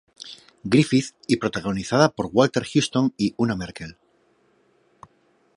Griffith y protagonizada por Walter Huston y Una Merkel.